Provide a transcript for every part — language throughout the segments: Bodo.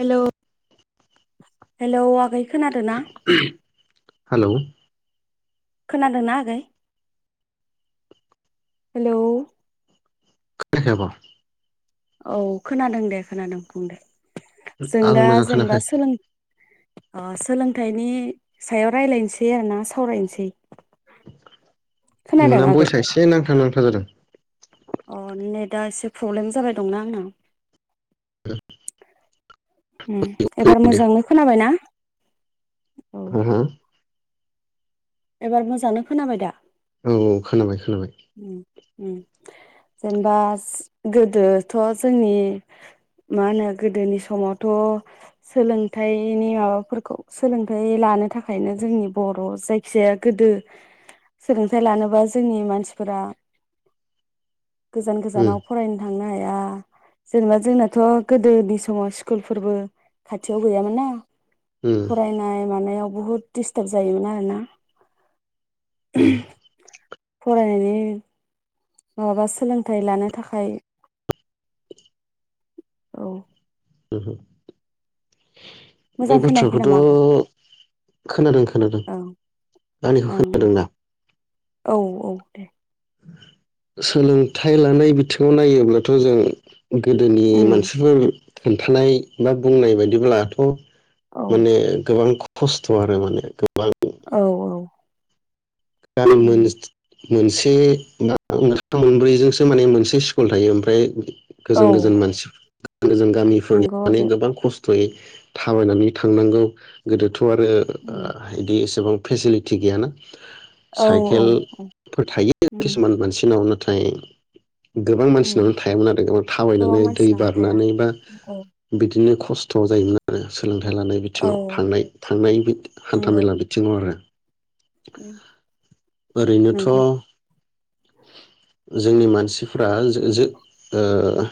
हेलौ हेलौ आगै खोनादों ना [unintelligible] हेलौ खोनादोंनाा आगै हेलौ खोनायाखै आब' औ खोनादों दे खोनादों बुं दे जों आं दा मोजां जेनेबा खोनायाखै सोलों सोलोंथाइनि सायाव रायजलायनोसै आरो ना सावरायनोसै खोनादों नोंना आगै? बयसा एसे नांथा नांथा जादों। अ नेटआ एसे प्रब्लेम जाबाय दंना आंनाव औ एबार मोजाङै खोनाबायना [unintelligible] एबार मोजाङानो खोनाबाय दा? औ औ खोनाबाय खोनाबाय उम जेनेबा गोदोथ जोंनि मा होनो गोदोनि समावथ सोलोंथाइनि माबाफोरखौ सोलोंथाइ लानो थाखायनो जोंनि बर' जायखिजाया गोदो सोलोंथाइ लानोबा जोंनि मानसि फोरा गोजान उम गोजानाव फरायनो थांनो हायो। ओ जेनेबा जोंनाथ गोदोनि समाव स्कुलफोरबो खाथियाव गैयामोन ना उम फरायनाय मानायाव बुहुत दिडिस्टार्ब जायोमोन आरोना उम फरायनायनि माबाबा सोलोंथाइ लानो थाखाय औ ओहोम बे मोजां खोनायाखै बाथ्राखौथ नामा आगै खोनादों खोनादों ओं आंनिखौ ओं खोनादोंना। औ औ दे सोलोंथाइ लानाय बिथिङाव नायोब्लाथ जों गोदोनि उम मानसिफोर खोन्थानाय बा बुंनाय बायदिब्लाथ' औ माने गोबां खस्थ आरो माने गोबां औ औ [unintelligible] उम मोनसे मोन्थाम मोनब्रैजोंसो माने मोनसे स्कुल थायो ओमफ्राय औ गोजान गोजान मानसि [inaudible] जों गामिफोरनि नंगौ माने आगै गोबां खस्थयै थाबायनानै थांनांगौ गोदो थ' आरो ओ उम इदि एसेबां फेसिलिटि गैयाना औ औ साइकेलफोर थायो उम खिसुमान मानसिनाव ना थाय गोबां उम मानसिनावनो थायामोन आरो गो गोबां थाबायनानै दै मानसिनावनो थाया बारनानै बा औ बिदिनो खस्थ' जायोमोन आरो सोलोंथायाइ लानाय औ बिथिङाव थांनाय थांनाय बि नंगौ हान्थाामेला बिथिङाव आरो उम ओरैनोथ' नंगौ जोंनि मानसिफ्रा जो-जो ओ ओ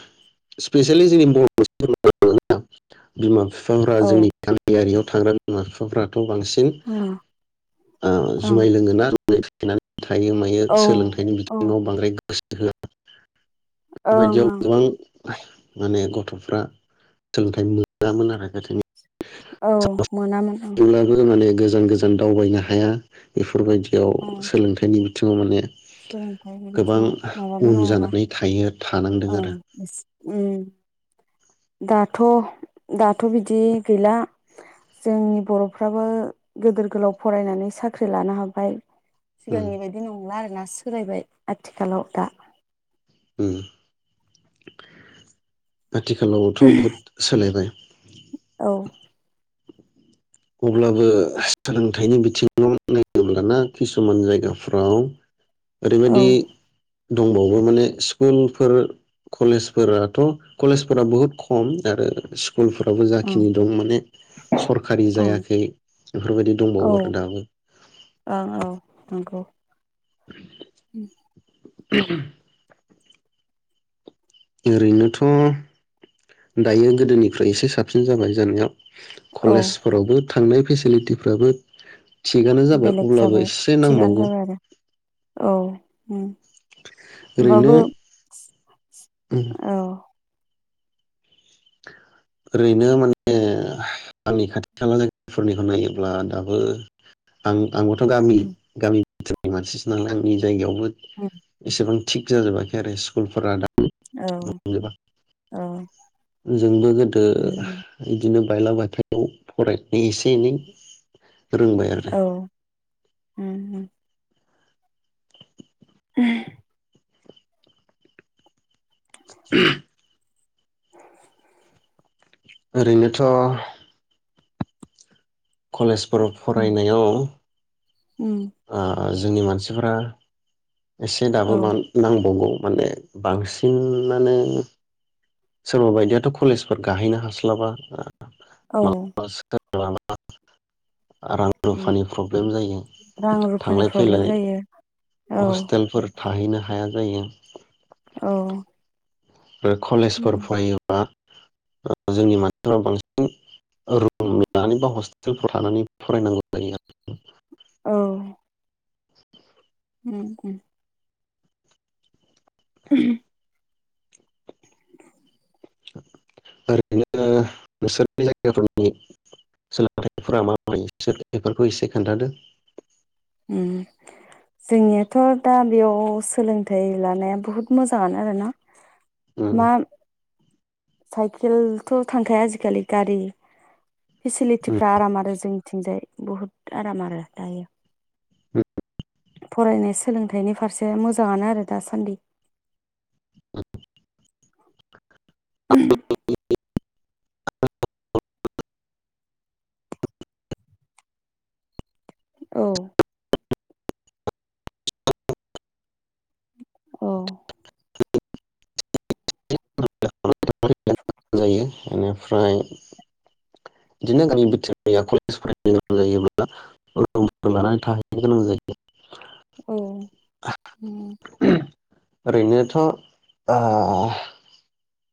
स्पेसियेलि जोंनि बर' [unintelligible] बिमा बिफा फोरा औ जोंनि ओं गामियारियाव थाग्रा बिमा बिफाफ्रा बांसिन ओ ओं जुमाय लोंयोना बे [unintelligible] थायो मायो औ सोलोंथाइनि औ ओं बिथिङाव बांद्राय गो गोसो होया बेफोरबादियाव गोबां ओं माने गथ'फ्रा सोलोंथाइ मोनामोन आरो औ मोनामोन ओं गोदनि [unintelligible] माने गो जान गोजान दावबायनो हाया बेफोरबायदि बेयाव ओं सोलोंथाइनिबो बिङाव माने सोलोंथाइ गोबां बिथिङाव माबामोन उन आरोना जानानै थायो थानांदों औ आरो एसे उम दाथ' दाथ' बिदि गैला जोंनि बर'फ्राबो गोदोर गोलाव फरायनानै साख्रि लानो हाबाय उम सिगांनि बायदि नंला आरोना सोलायबाय आथिखालाव दा उम आथिखालावथ' बहुद सोलायबाय औ अब्लाबो सोलोंथाइनि बिथिंङाव नायोब्लाना किसुमान जायगाफ्राव औ ओरैबादि। ओं दंबावो माने स्कुलफोर कलेजफोराथ' कलेजफोरा बहुद खम आरो स्कुलफोरावबो ओं जाखिनि दं माने सरखार। औ जायाखै बेफोरबायदि दंबावो आरो ओं दाबो। अ' [unintelligible] ओरैनोथ' दायो गोदोनिफ्राय एसे साबसिन जाबाय जानायाव। औ कलेजफोरावबो थांनाय फेसिलिटिफ्राबो थिगानो जाबाय बेलेग अब्लाबो एसे थिगानो नांबावगौ। जाबाय आरो औ उम। ओरैनो होमबाबो औ। ओरैनो माने आंनि खाथि खाला जायगाफोरनिखौ नायोब्ला दाबो आं आंबोथ' गामि उम गामि [unintelligible] मानसिसो नालाय आंनि जायगायाव। उम [unintelligible] एसेबां थिग जाजोबाखै आरो स्कुलफोरा दा औ बुंनोबा औ जोंबो गोदो ओ उम उम इदि नो बायलाबाथायाव फरायनानै एसे एनै फोरोंबाय आरो। औ उम ह [unintelligible] [unintelligible] [unintelligible] ओरैनोथ' कलेज बर' उम फरायनायाव ओ उम ओ जोंनि मानसिफोरा एसे औ दाबो मान नांबावगौ। माने बांसिनानो सोरबा बायदियाथ' कलेजफोर गाहैनो हास्लाबा ओ औ माबा [unintelligible] [unintelligible] [unintelligible] रां उम रुफानि प्रब्लेम जायो रां रुफानि थांलाय प्रब्लेम फैलाय जायो औ हस्टेलफोर थाहैनो हाया जायो। औ आरो कलेजफोर उम फरायोबा जोंनि मानसिफोरा बांसिन रुम लानानै बा हस्टेलफ्राव थानानै फरायनांगौ जायो आरो। औ उम उम । [unintelligible] ओरैनो नोंसोरनि जायगाफोरनि सोलोंथाइफोरा माबायदि बेफोरखौ एसे खोन्थादों । जोंनियाथ' दा बेयाव सोलोंथाइ लानाया बहुत मोजाङानो आरोना उम । [unintelligible] साइकेलथ' थांखाया आजिखालि गारि । उम फेसिलिटिफ्रा आराम आरो जों थिंजाय बुहुद आराम आरो दायो उम फरायनाय सोलोंथाइनि फारसे मोजाङानो आरो दासान्दि [unintelligible] औ औ जायो इनिफ्राय बिदिनो गामि बिटोरिया कलेज फरायनो गोनां जायोब्ला रुम लानानै थाहैनो गोनां जायो । औ होम जायो ओरैनोथ' ओ